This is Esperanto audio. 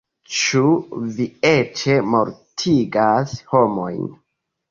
"Ĉu vi eĉ mortigas homojn?"